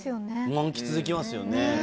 満喫できますよね。